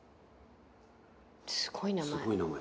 すごい名前。